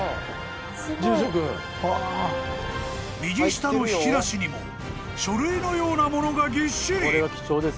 ［右下の引き出しにも書類のようなものがぎっしり］